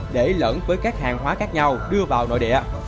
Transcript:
để lẫn với các hàng hóa khác nhau đưa vào nội địa